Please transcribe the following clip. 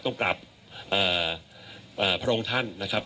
กลับพระองค์ท่านนะครับ